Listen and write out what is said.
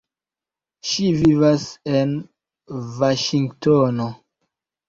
Ŝi vivas en Vaŝingtono.